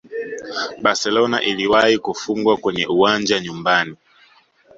barcelona iliwahi kufungwa kwenye uwanja nyumbani